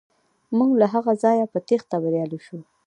موږ له هغه ځایه په تیښته بریالي شو.